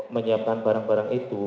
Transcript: menyiapkan barang barang itu